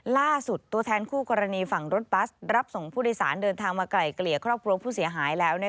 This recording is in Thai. ตัวแทนคู่กรณีฝั่งรถบัสรับส่งผู้โดยสารเดินทางมาไกล่เกลี่ยครอบครัวผู้เสียหายแล้ว